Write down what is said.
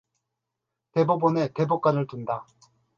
대법원에 대법관을 둔다.